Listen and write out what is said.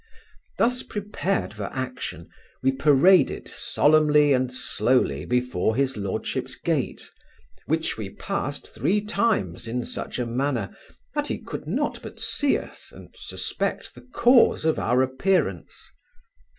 Thus prepared for action, we paraded solemnly and slowly before his lordship's gate, which we passed three times in such a manner, that he could not but see us, and suspect the cause of our appearance.